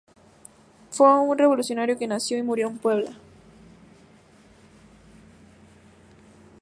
Fue un revolucionario que nació y murió en Puebla.